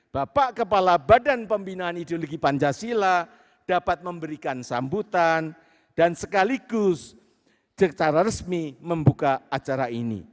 bapak kepala badan pembinaan ideologi pancasila dapat memberikan sambutan dan sekaligus secara resmi membuka acara ini